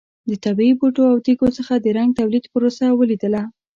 د طبیعي بوټو او تېږو څخه د رنګ تولید پروسه ولیدله.